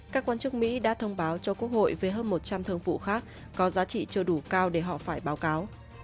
các quan chức mỹ đã thông báo cho quốc hội về hơn một trăm linh thương vụ khác có giá trị chưa đủ cao để họ phải báo cáo